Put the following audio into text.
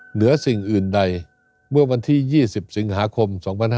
เหนือสิ่งอื่นใดเมื่อวันที่๒๐สิงหาคม๒๕๕๙